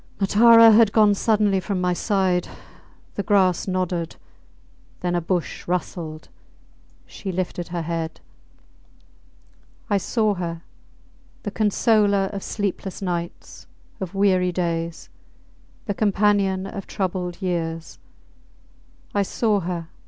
Matara had gone suddenly from my side. The grass nodded. Then a bush rustled. She lifted her head. I saw her! The consoler of sleepless nights, of weary days; the companion of troubled years! I saw her!